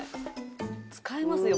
使いますよ